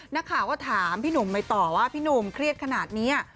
นักข่าวก็ถามพี่หนุ่มไปต่อว่าพี่หนุ่มเครียดขนาดนี้